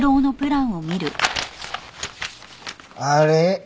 あれ？